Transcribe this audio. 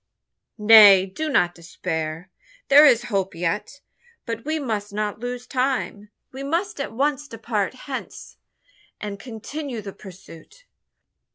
"Nay do not despair! there is hope yet. But we must not lose time. We must at once depart hence, and continue the pursuit."